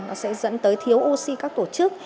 nó sẽ dẫn tới thiếu oxy các tổ chức